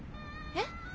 えっ？